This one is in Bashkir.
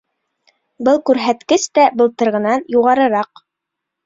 Был күрһәткес тә былтырғынан юғарыраҡ.